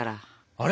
あれ？